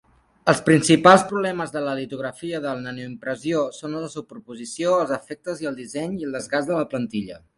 Els principals problemes de la litografia de nanoimpressió són la superposició, els defectes, el disseny i el desgast de la plantilla.